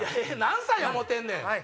何歳や思うてんねん！